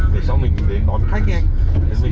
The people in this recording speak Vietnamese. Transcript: để cho mình đến đón khách đi ạ